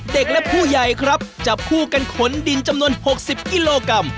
เด็กและผู้ใหญ่ครับจับคู่กันขนดินจำนวน๖๐กิโลกรัม